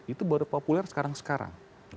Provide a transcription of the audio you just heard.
itu baru populer sekarang sekarang